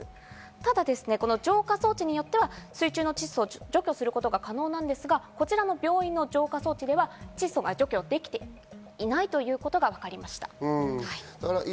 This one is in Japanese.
ただ、浄化装置によっては水中の窒素を除去することが可能ですが、こちらの病院の浄化装置では、窒素が除去できていないということがわかりました。